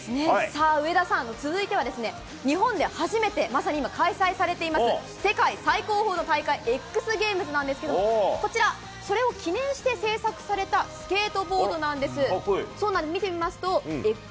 さあ、上田さん、続いては日本で初めてまさに今、開催されています、世界最高峰の大会、エックスゲームズなんですけれども、こちら、それを記念して制作されたスケートボードなんです。